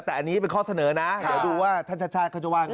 แต่อันนี้เป็นข้อเสนอนะเดี๋ยวดูว่าท่านชาติชาติเขาจะว่าไง